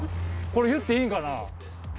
これ言っていいんかな？